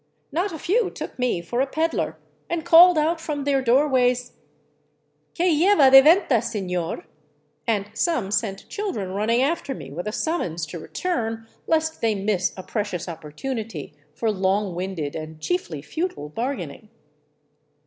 Not a few took me for a peddler, and called out from their doorways, " Que lleva de venta, senor ?" and some sent children running after me with a summons to return, lest they miss a precious opportunity for long winded and chiefly futile bargaining.